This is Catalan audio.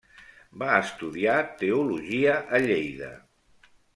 Va estudiar teologia a Lleida.